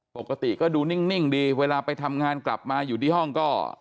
ปกติก็ดูนิ่งดีเวลาไปทำงานกลับมาอยู่ที่ห้องก็